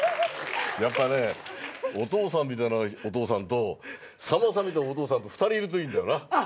やっぱねお父さんみたいなお父さんとさんまさんみたいなお父さんと２人いるといいんだよな。